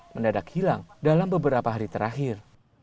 mendadak hilang dalam beberapa hari terakhir